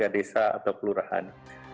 dan juga perubahan perubahan perumahan